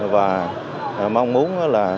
và mong muốn